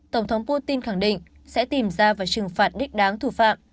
tổng thống putin khẳng định sẽ tìm ra và trừng phạt đích đáng thủ phạm